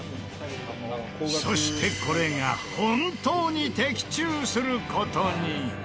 そしてこれが本当に的中する事に！